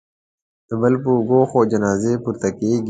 د بل په اوږو خو جنازې پورته کېږي